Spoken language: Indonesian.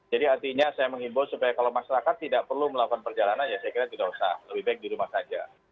jadi artinya saya menghimbau supaya kalau masyarakat tidak perlu melakukan perjalanan ya saya kira tidak usah lebih baik di rumah saja